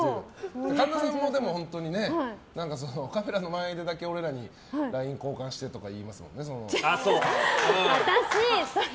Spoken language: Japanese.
神田さんもカメラの前だけ俺らにＬＩＮＥを交換してとかいいますよね。